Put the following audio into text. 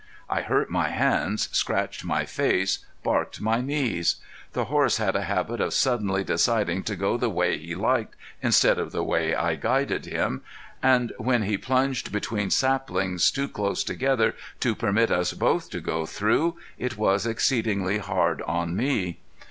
I hurt my hands, scratched my face, barked my knees. The horse had a habit of suddenly deciding to go the way he liked instead of the way I guided him, and when he plunged between saplings too close together to permit us both to go through, it was exceedingly hard on me.